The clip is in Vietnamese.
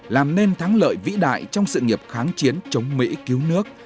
làm nên thắng lợi vĩ đại trong sự nghiệp kháng chiến chống mỹ cứu nước